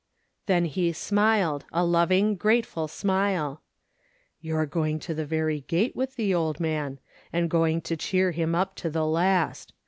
Then he smiled — a loving, grateful smile. "You're going to the very gate with the old man, and going to cheer him up to the last.